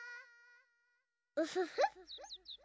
ウフフ。